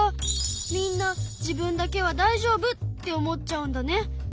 みんな自分だけは大丈夫って思っちゃうんだね。